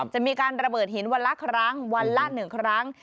จะมีการระเบิดหินวันละครั้งวันละ๑ครั้ง